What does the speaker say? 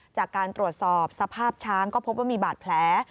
จากการตรวจสอบสภาพช้างก็พบว่ามีบาดแผล